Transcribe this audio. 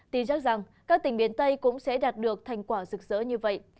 tin chắc rằng các tỉnh miền tây cũng sẽ đạt được thành quả rực rỡ như vậy